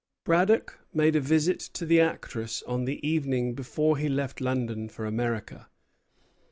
'" Braddock made a visit to the actress on the evening before he left London for America.